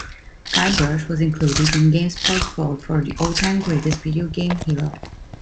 Guybrush was included in GameSpot's vote for the all-time greatest video game hero.